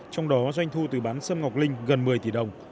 trong đó doanh thu từ bán sâm ngọc linh gần một mươi tỷ đồng